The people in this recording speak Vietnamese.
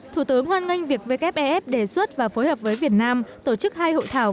thủ tướng hoan nghênh việc wfef đề xuất và phối hợp với việt nam tổ chức hai hội thảo